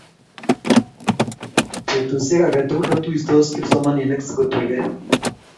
betusieek aketukul kotuisiot kipsomaninik sikoturkei